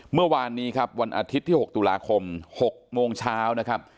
เมื่อวานนี้ครับวันอาทิตย์ที่๖ตุลาคม๖โมงเช้านะครับ